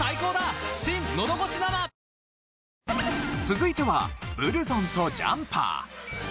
続いてはブルゾンとジャンパー。